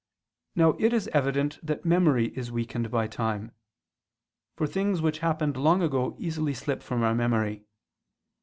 Now it is evident that memory is weakened by time; for things which happened long ago easily slip from our memory.